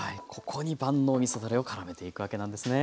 ここに万能みそだれをからめていくわけなんですね。